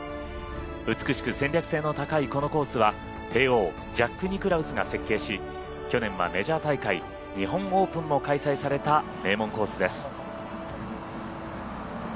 美しく戦略性の高いこのコースは帝王、ジャック・ニクラウスが設計し、去年はメジャー大会日本オープンも開催された名門コースです。